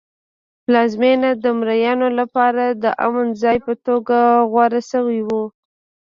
پلازمېنه د مریانو لپاره د امن ځای په توګه غوره شوی و.